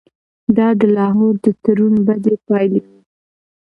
دا د لاهور د تړون بدې پایلې وې.